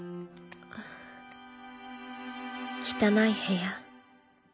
汚い部屋。